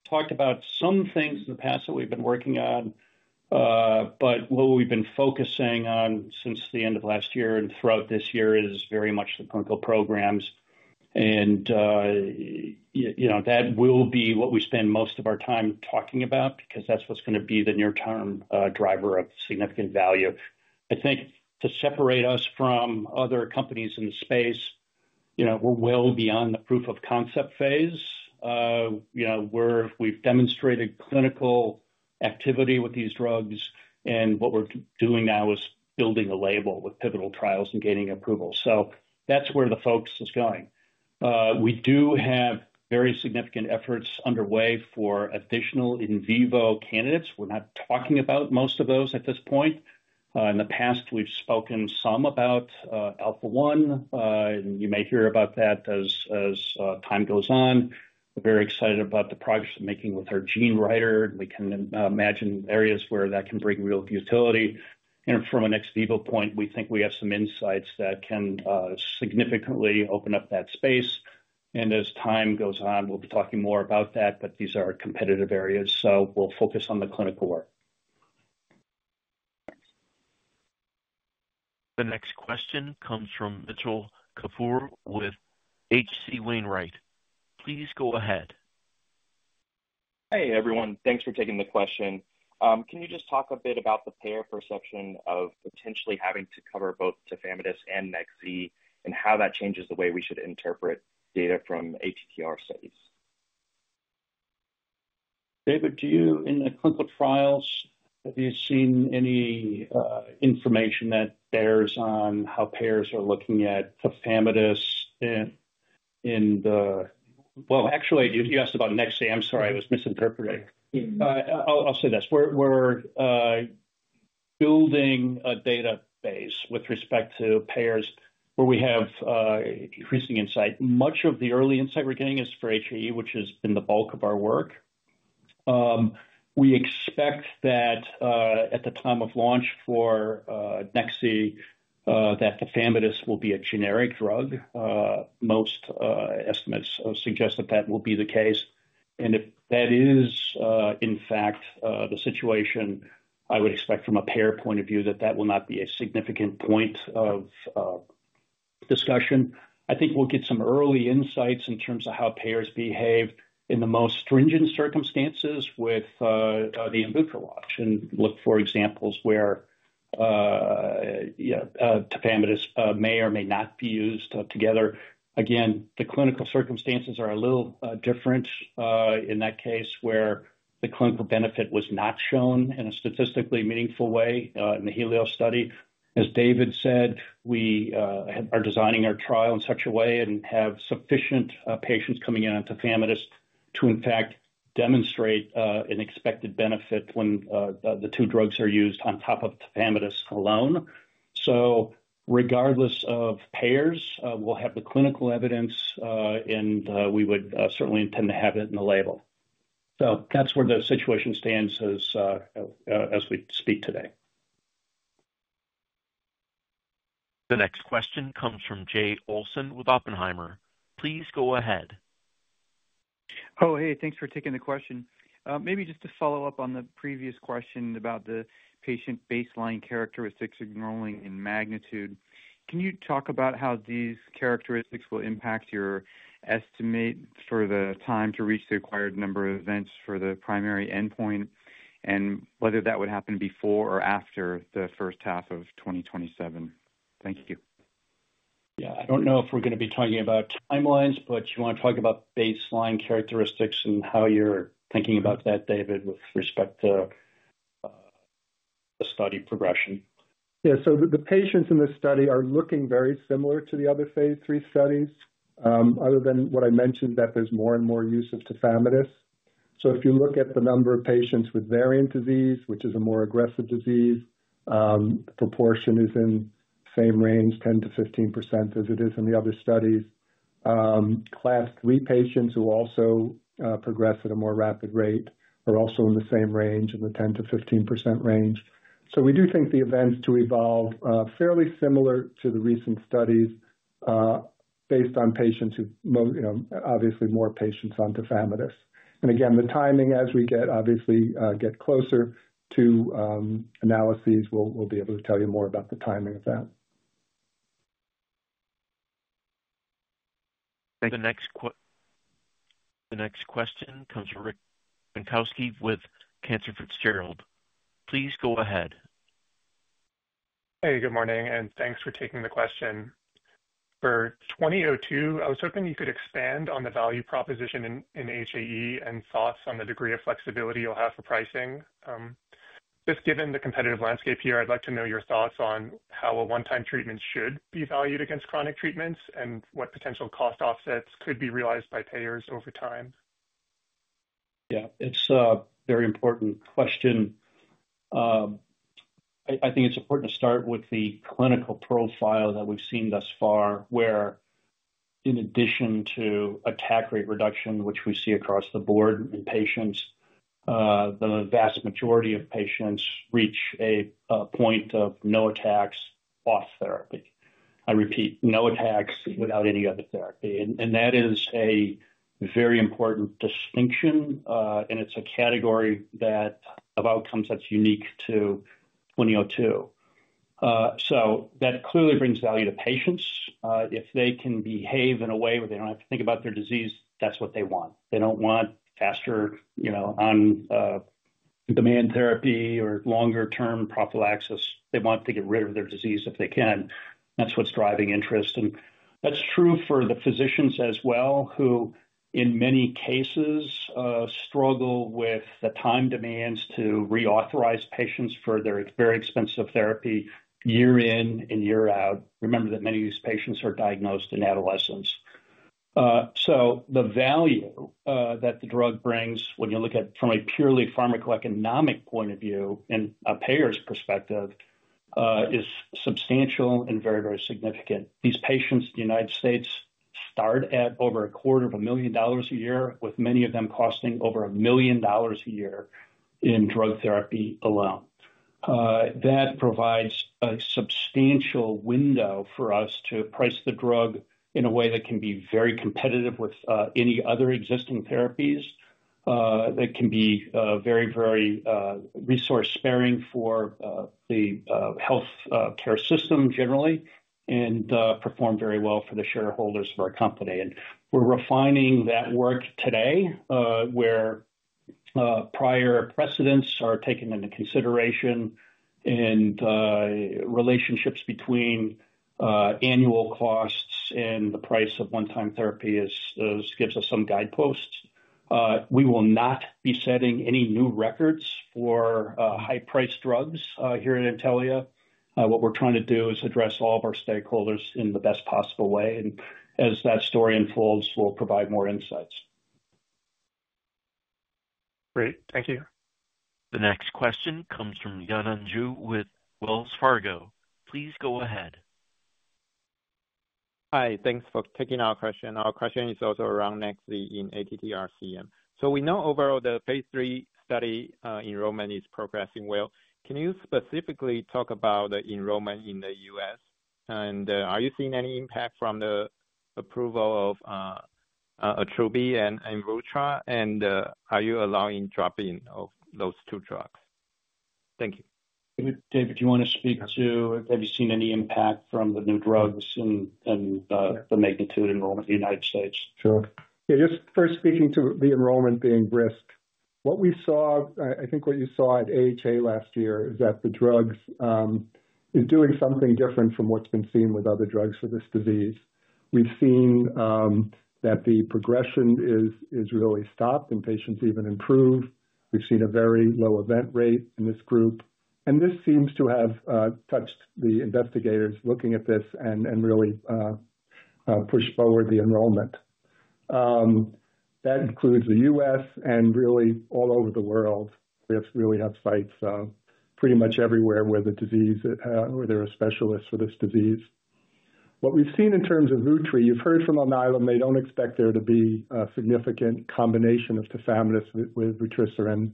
talked about some things in the past that we've been working on. What we've been focusing on since the end of last year and throughout this year is very much the clinical programs. That will be what we spend most of our time talking about because that's what's going to be the near-term driver of significant value. I think to separate us from other companies in the space, we're well beyond the proof of concept phase where we've demonstrated clinical activity with these drugs. What we're doing now is building a label with pivotal trials and gaining approval. That's where the focus is going. We do have very significant efforts underway for additional in vivo candidates. We're not talking about most of those at this point. In the past, we've spoken some about Alpha-1. You may hear about that as time goes on. We're very excited about the progress we're making with our gene writer. We can imagine areas where that can bring real utility. From an ex vivo point, we think we have some insights that can significantly open up that space. As time goes on, we'll be talking more about that. These are competitive areas. We'll focus on the clinical work. The next question comes from Mitchell Kapoor with H. C. Wainwright. Please go ahead. Hey, everyone. Thanks for taking the question. Can you just talk a bit about the payer perception of potentially having to cover both Tafamidis and Nex-Z and how that changes the way we should interpret data from ATTR studies? David, do you, in the clinical trials, have you seen any information that bears on how payers are looking at Tafamidis in the—actually, you asked about Nex-Z. I'm sorry. I was misinterpreting. I'll say this. We're building a database with respect to payers where we have increasing insight. Much of the early insight we're getting is for HAE, which has been the bulk of our work. We expect that at the time of launch for Nex-Z, that Tafamidis will be a generic drug. Most estimates suggest that that will be the case. If that is, in fact, the situation, I would expect from a payer point of view that that will not be a significant point of discussion. I think we'll get some early insights in terms of how payers behave in the most stringent circumstances with the Inotersen option. Look for examples where Tafamidis may or may not be used together. Again, the clinical circumstances are a little different in that case where the clinical benefit was not shown in a statistically meaningful way in the HELIOS Study. As David said, we are designing our trial in such a way and have sufficient patients coming in on Tafamidis to, in fact, demonstrate an expected benefit when the two drugs are used on top of Tafamidis alone. Regardless of payers, we'll have the clinical evidence, and we would certainly intend to have it in the label. That is where the situation stands as we speak today. The next question comes from Jay Olson with Oppenheimer. Please go ahead. Oh, hey. Thanks for taking the question. Maybe just to follow up on the previous question about the patient baseline characteristics enrolling in MAGNITUDE, can you talk about how these characteristics will impact your estimate for the time to reach the required number of events for the primary endpoint and whether that would happen before or after the first half of 2027? Thank you. Yeah. I don't know if we're going to be talking about timelines, but you want to talk about baseline characteristics and how you're thinking about that, David, with respect to the study progression. Yeah. The patients in this study are looking very similar to the other phase three studies, other than what I mentioned, that there's more and more use of Tafamidis. If you look at the number of patients with variant disease, which is a more aggressive disease, the proportion is in the same range, 10-15%, as it is in the other studies. Class three patients who also progress at a more rapid rate are also in the same range, in the 10-15% range. We do think the events do evolve fairly similar to the recent studies based on patients who—obviously, more patients on Tafamidis. Again, the timing, as we obviously get closer to analyses, we'll be able to tell you more about the timing of that. The next question comes from Rick Bienkowski with Cantor Fitzgerald. Please go ahead. Hey, good morning. Thanks for taking the question. For NTLA-2002, I was hoping you could expand on the value proposition in HAE and thoughts on the degree of flexibility you'll have for pricing. Just given the competitive landscape here, I'd like to know your thoughts on how a one-time treatment should be valued against chronic treatments and what potential cost offsets could be realized by payers over time. Yeah. It's a very important question. I think it's important to start with the clinical profile that we've seen thus far, where, in addition to attack rate reduction, which we see across the board in patients, the vast majority of patients reach a point of no attacks off therapy. I repeat, no attacks without any other therapy. That is a very important distinction. It is a category of outcomes that's unique to 2002. That clearly brings value to patients. If they can behave in a way where they don't have to think about their disease, that's what they want. They don't want faster on-demand therapy or longer-term prophylaxis. They want to get rid of their disease if they can. That's what's driving interest. That is true for the physicians as well, who, in many cases, struggle with the time demands to reauthorize patients for their very expensive therapy year in and year out. Remember that many of these patients are diagnosed in adolescence. The value that the drug brings, when you look at it from a purely pharmaco-economic point of view and a payer's perspective, is substantial and very, very significant. These patients in the U.S. start at over $250,000 a year, with many of them costing over $1,000,000 a year in drug therapy alone. That provides a substantial window for us to price the drug in a way that can be very competitive with any other existing therapies. That can be very, very resource-sparing for the healthcare system generally and perform very well for the shareholders of our company. We're refining that work today, where prior precedents are taken into consideration and relationships between annual costs and the price of one-time therapy give us some guideposts. We will not be setting any new records for high-priced drugs here at Intellia. What we're trying to do is address all of our stakeholders in the best possible way. As that story unfolds, we'll provide more insights. Great. Thank you. The next question comes from Yanan Zhu with Wells Fargo. Please go ahead. Hi. Thanks for taking our question. Our question is also around Nex-Z in ATTR-CM. We know overall the phase three study enrollment is progressing well. Can you specifically talk about the enrollment in the U.S.? Are you seeing any impact from the approval of Vutrisiran and Inotersen? Are you allowing drop-in of those two drugs? Thank you. David, do you want to speak to have you seen any impact from the new drugs and the MAGNITUDE enrollment in the United States? Sure. Yeah. Just first speaking to the enrollment being risked, what we saw—I think what you saw at AHA last year—is that the drug is doing something different from what's been seen with other drugs for this disease. We've seen that the progression is really stopped and patients even improve. We've seen a very low event rate in this group. This seems to have touched the investigators looking at this and really pushed forward the enrollment. That includes the U.S. and really all over the world. We really have sites pretty much everywhere where there are specialists for this disease. What we've seen in terms of Vutri, you've heard from Alnylam. They don't expect there to be a significant combination of Tafamidis with Vutrisiran.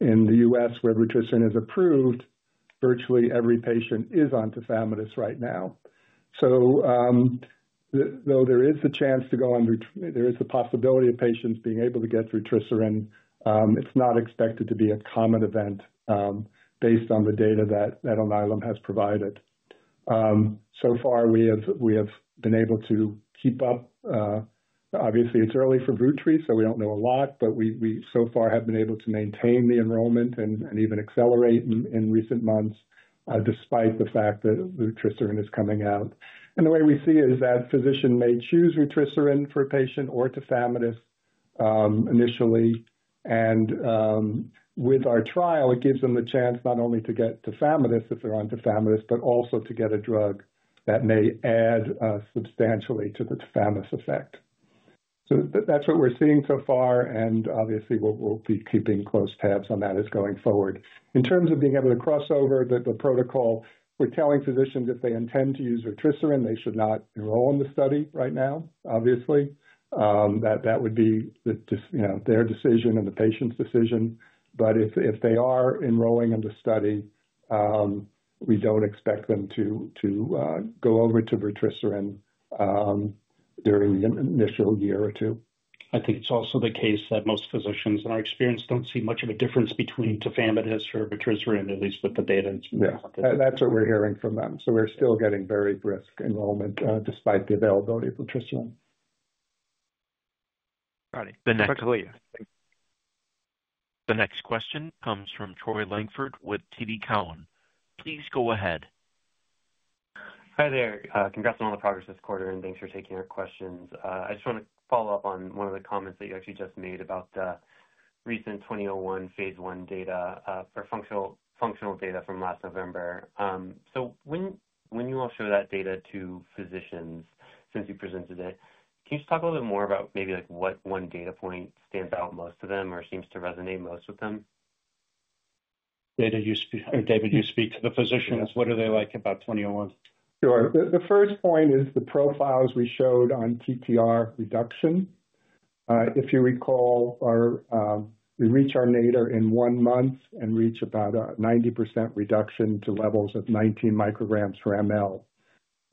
In the U.S., where Vutrisiran is approved, virtually every patient is on Tafamidis right now. Though there is the chance to go on—there is the possibility of patients being able to get Vutrisiran—it's not expected to be a common event based on the data that Alnylam has provided. So far, we have been able to keep up. Obviously, it's early for Vutrisiran, so we don't know a lot. But we so far have been able to maintain the enrollment and even accelerate in recent months, despite the fact that Vutrisiran is coming out. The way we see it is that physicians may choose Vutrisiran for a patient or Tafamidis initially. With our trial, it gives them the chance not only to get Tafamidis if they're on Tafamidis, but also to get a drug that may add substantially to the Tafamidis effect. That's what we're seeing so far. Obviously, we'll be keeping close tabs on that going forward. In terms of being able to cross over the protocol, we're telling physicians if they intend to use Vutrisiran, they should not enroll in the study right now, obviously. That would be their decision and the patient's decision. If they are enrolling in the study, we do not expect them to go over to Vutrisiran during the initial year or two. I think it's also the case that most physicians, in our experience, don't see much of a difference between Tafamidis or Vutrisiran, at least with the data. Yeah. That's what we're hearing from them. We're still getting very brisk enrollment despite the availability of Vutrisiran. Got it. The next question comes from Troy Langford with TD Cowen. Please go ahead. Hi there. Congrats on all the progress this quarter. Thanks for taking our questions. I just want to follow up on one of the comments that you actually just made about recent NTLA-2001 phase one data for functional data from last November. When you all show that data to physicians since you presented it, can you just talk a little bit more about maybe what one data point stands out most to them or seems to resonate most with them? David, you speak to the physicians. What do they like about 2001? Sure. The first point is the profiles we showed on TTR reduction. If you recall, we reach our nadir in one month and reach about a 90% reduction to levels of 19 micrograms per mL.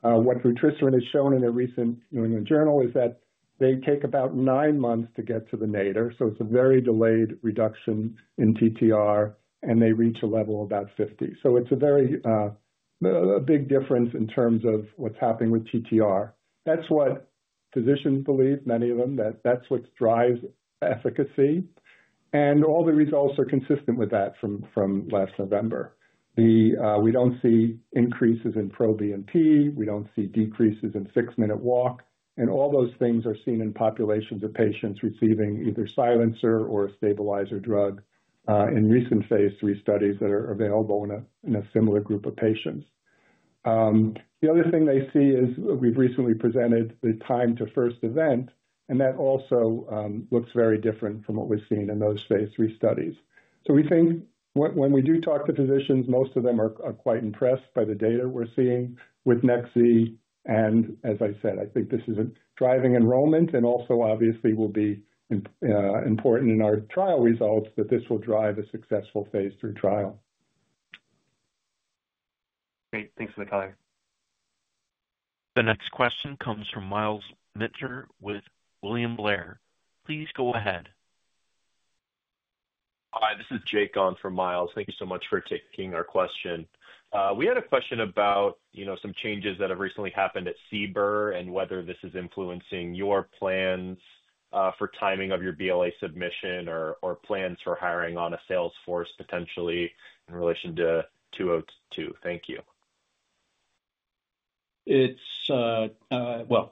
What Vutrisiran has shown in a recent New England Journal is that they take about nine months to get to the nadir. It is a very delayed reduction in TTR, and they reach a level of about 50. It is a very big difference in terms of what is happening with TTR. That is what physicians believe, many of them, that that is what drives efficacy. All the results are consistent with that from last November. We do not see increases in Pro-BNP. We do not see decreases in six-minute walk. All those things are seen in populations of patients receiving either silencer or a stabilizer drug in recent Phase III Studies that are available in a similar group of patients. The other thing they see is we've recently presented the time to first event, and that also looks very different from what we've seen in those Phase III Studies. We think when we do talk to physicians, most of them are quite impressed by the data we're seeing with Nex-Z. As I said, I think this is driving enrollment and also, obviously, will be important in our trial results that this will drive a successful Phase III Trial. Great. Thanks for the color. The next question comes from Miles Minter with William Blair. Please go ahead. Hi. This is Jake Roberge from BMO. Thank you so much for taking our question. We had a question about some changes that have recently happened at Seaborne and whether this is influencing your plans for timing of your BLA submission or plans for hiring on a Salesforce potentially in relation to NTLA-2002. Thank you.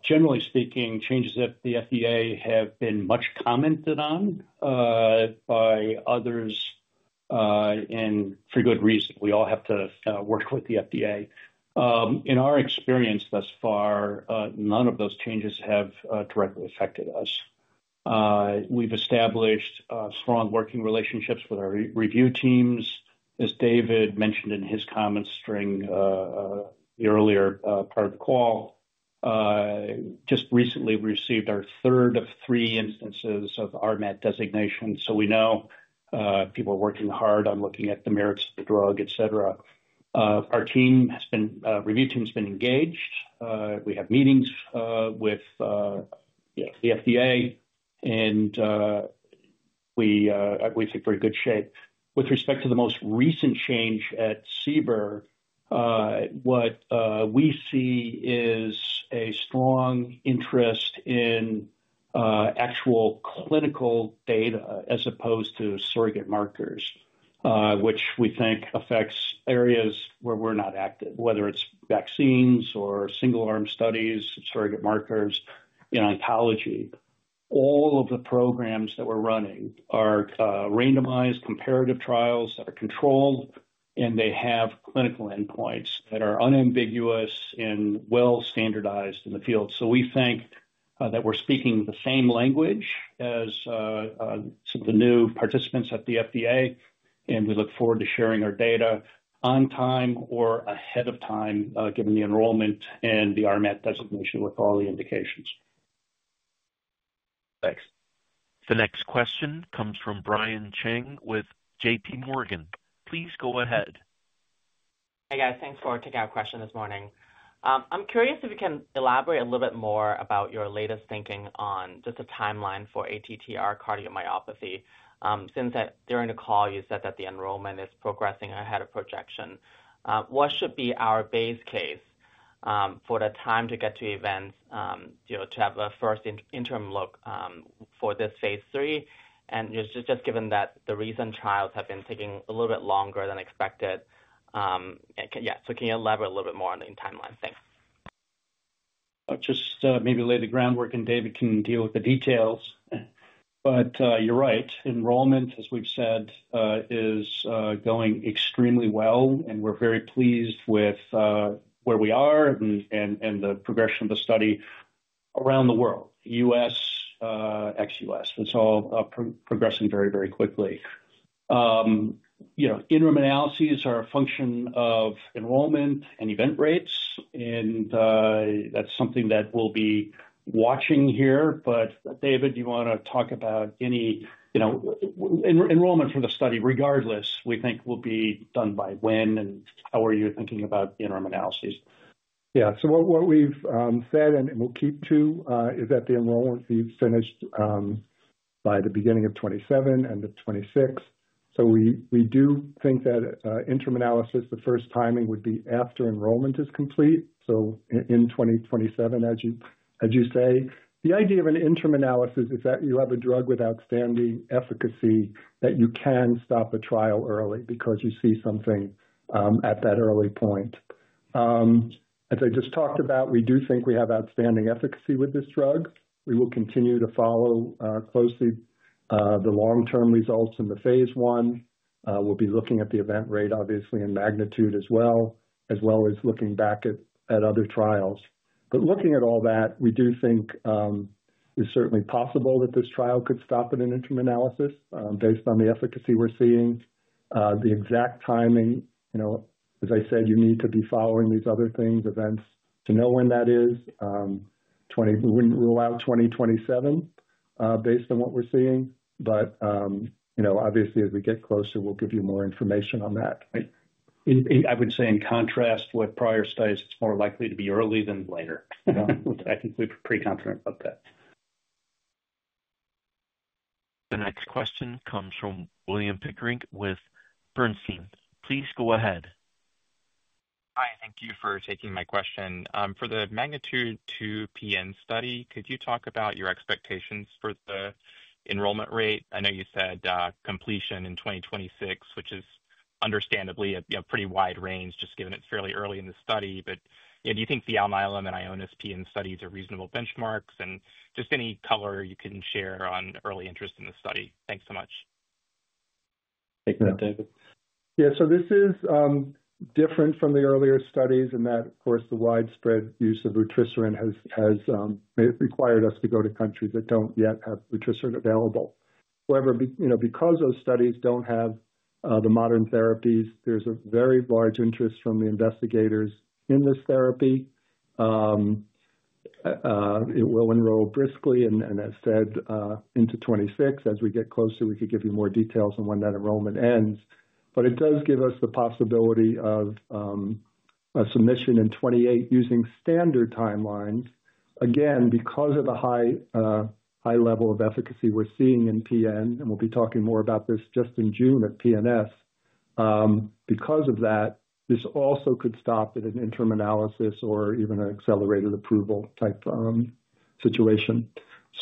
Generally speaking, changes at the FDA have been much commented on by others for good reason. We all have to work with the FDA. In our experience thus far, none of those changes have directly affected us. We've established strong working relationships with our review teams. As David mentioned in his comments during the earlier part of the call, just recently, we received our third of three instances of RMAT designation. We know people are working hard on looking at the merits of the drug, etc. Our review team has been engaged. We have meetings with the FDA, and we think we're in good shape. With respect to the most recent change at Seaborne, what we see is a strong interest in actual clinical data as opposed to surrogate markers, which we think affects areas where we're not active, whether it's vaccines or single-arm studies, surrogate markers, in oncology. All of the programs that we're running are randomized comparative trials that are controlled, and they have clinical endpoints that are unambiguous and well-standardized in the field. We think that we're speaking the same language as some of the new participants at the FDA, and we look forward to sharing our data on time or ahead of time, given the enrollment and the RMAT designation with all the indications. Thanks. The next question comes from Brian Cheng with J.P. Morgan. Please go ahead. Hey, guys. Thanks for taking our question this morning. I'm curious if you can elaborate a little bit more about your latest thinking on just a timeline for ATTR cardiomyopathy. Since during the call, you said that the enrollment is progressing ahead of projection. What should be our base case for the time to get to events, to have a first interim look for this phase III? And just given that the recent trials have been taking a little bit longer than expected, yeah, can you elaborate a little bit more on the timeline? Thanks. Just maybe lay the groundwork, and David can deal with the details. You're right. Enrollment, as we've said, is going extremely well. We're very pleased with where we are and the progression of the study around the world, U.S., ex-U.S. It's all progressing very, very quickly. Interim analyses are a function of enrollment and event rates. That's something that we'll be watching here. David, do you want to talk about any enrollment for the study? Regardless, we think we'll be done by when? How are you thinking about interim analyses? Yeah. So what we've said, and we'll keep to, is that the enrollment be finished by the beginning of 2027 and the 2026. We do think that interim analysis, the first timing, would be after enrollment is complete. In 2027, as you say, the idea of an interim analysis is that you have a drug with outstanding efficacy that you can stop a trial early because you see something at that early point. As I just talked about, we do think we have outstanding efficacy with this drug. We will continue to follow closely the long-term results in the phase one. We'll be looking at the event rate, obviously, and MAGNITUDE as well, as well as looking back at other trials. Looking at all that, we do think it's certainly possible that this trial could stop at an interim analysis based on the efficacy we're seeing. The exact timing, as I said, you need to be following these other things, events, to know when that is. We would not rule out 2027 based on what we are seeing. Obviously, as we get closer, we will give you more information on that. I would say, in contrast with prior studies, it's more likely to be early than later. I think we're pretty confident about that. The next question comes from William Pickering with Bernstein. Please go ahead. Hi. Thank you for taking my question. For the MAGNITUDE-2 PN Study, could you talk about your expectations for the enrollment rate? I know you said completion in 2026, which is understandably a pretty wide range, just given it's fairly early in the study. Do you think the Alnylam and Ionis PN studies are reasonable benchmarks? Any color you can share on early interest in the study. Thanks so much. Take that, David. Yeah. This is different from the earlier studies in that, of course, the widespread use of Vutrisiran has required us to go to countries that do not yet have Vutrisiran available. However, because those studies do not have the modern therapies, there is a very large interest from the investigators in this therapy. It will enroll briskly. As said, into 2026, as we get closer, we could give you more details on when that enrollment ends. It does give us the possibility of a submission in 2028 using standard timelines. Again, because of the high level of efficacy we are seeing in PN, and we will be talking more about this just in June at PNS, because of that, this also could stop at an interim analysis or even an accelerated approval type situation.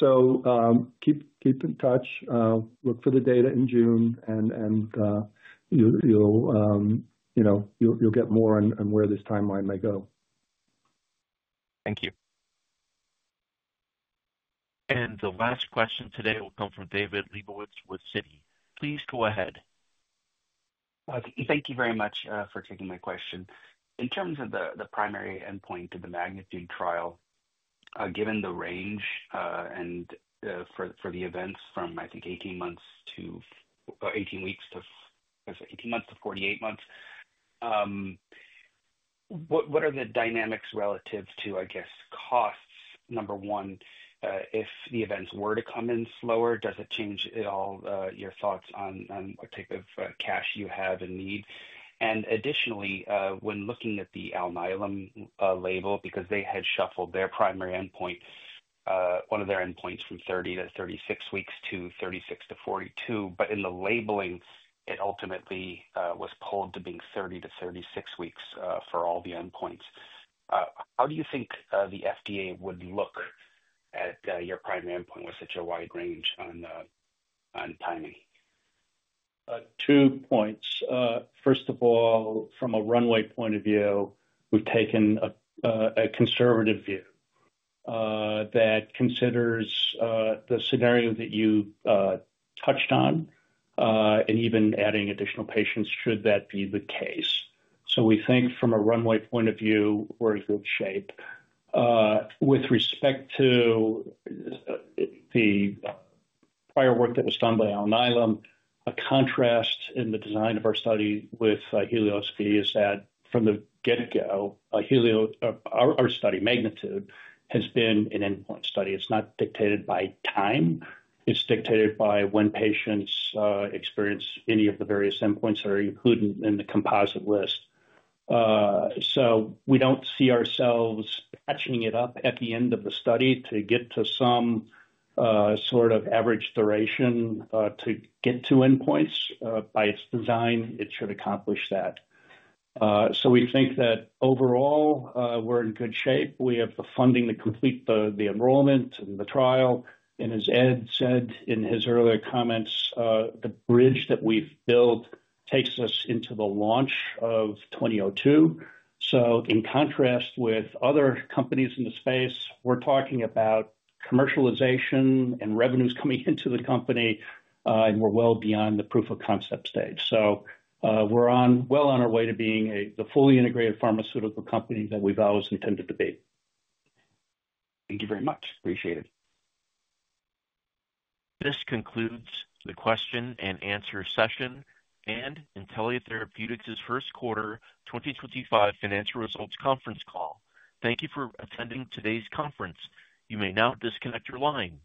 Keep in touch. Look for the data in June, and you'll get more on where this timeline may go. Thank you. The last question today will come from David Lebowitz with Citi. Please go ahead. Thank you very much for taking my question. In terms of the primary endpoint of the MAGNITUDE Trial, given the range and for the events from, I think, 18 weeks to 18 months to 48 months, what are the dynamics relative to, I guess, costs? Number one, if the events were to come in slower, does it change at all your thoughts on what type of cash you have and need? Additionally, when looking at the Alnylam label, because they had shuffled their primary endpoint, one of their endpoints from 30 to 36 weeks to 36 to 42, but in the labeling, it ultimately was pulled to being 30 to 36 weeks for all the endpoints. How do you think the FDA would look at your primary endpoint with such a wide range on timing? Two points. First of all, from a runway point of view, we've taken a conservative view that considers the scenario that you touched on and even adding additional patients should that be the case. We think from a runway point of view, we're in good shape. With respect to the prior work that was done by Alnylam, a contrast in the design of our study with HELIOS V is that from the get-go, our study MAGNITUDE has been an endpoint study. It's not dictated by time. It's dictated by when patients experience any of the various endpoints that are included in the composite list. We don't see ourselves patching it up at the end of the study to get to some sort of average duration to get to endpoints. By its design, it should accomplish that. We think that overall, we're in good shape. We have the funding to complete the enrollment and the trial. As Ed said in his earlier comments, the bridge that we've built takes us into the launch of 2002. In contrast with other companies in the space, we're talking about commercialization and revenues coming into the company, and we're well beyond the proof of concept stage. We're well on our way to being the fully integrated pharmaceutical company that we've always intended to be. Thank you very much. Appreciate it. This concludes the question and answer session and Intellia Therapeutics First Quarter 2025 financial results conference call. Thank you for attending today's conference. You may now disconnect your line.